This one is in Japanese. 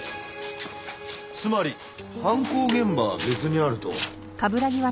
つまり犯行現場は別にあると。